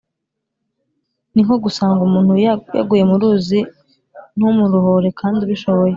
ni nko gusanga umuntu yaguye mu ruzi ntumurohore kandi ubishoboye.